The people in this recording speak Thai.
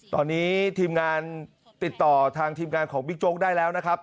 ตอนนี้ทีมงานติดต่อทางทีมงานของบิ๊กโจ๊กได้แล้วนะครับ